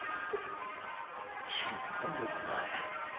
キモいよお前。